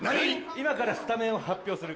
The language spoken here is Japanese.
今からスタメンを発表する。